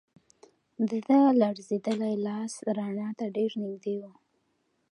د ده لړزېدلی لاس رڼا ته ډېر نږدې و.